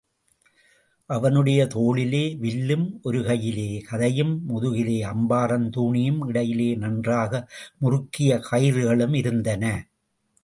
அவனுடைய தோளிலே வில்லும், ஒரு கையிலே கதையும், முதுகிலே அம்பறாத்தூணியும், இடையிலே நன்றாக முறுக்கிய கயிறுக்ளும் இருந்தன.